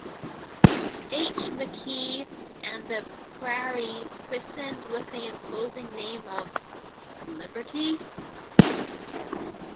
H. McKee, and the prairie christened with the imposing name of 'Liberty.